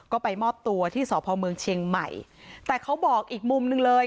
ก็ไปมอบตัวที่สพเมืองเชียงใหม่แต่เขาบอกอีกมุมหนึ่งเลย